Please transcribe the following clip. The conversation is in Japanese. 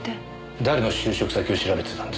誰の就職先を調べてたんです？